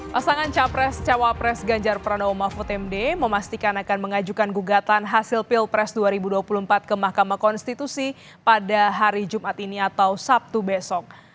pasangan capres cawapres ganjar pranowo mahfud md memastikan akan mengajukan gugatan hasil pilpres dua ribu dua puluh empat ke mahkamah konstitusi pada hari jumat ini atau sabtu besok